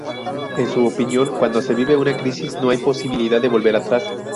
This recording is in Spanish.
En su opinión, cuando se vive una crisis, no hay posibilidad de volver atrás.